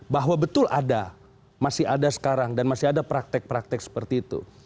bahwa betul ada masih ada sekarang dan masih ada praktek praktek seperti itu